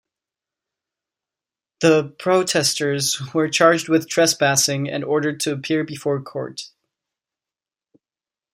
The protesters were charged with trespassing and ordered to appear before court.